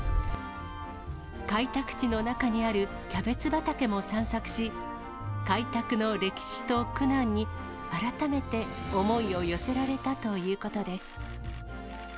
開拓地の中にあるキャベツ畑も散策し、開拓の歴史と苦難に改めて思いを寄せられたということです。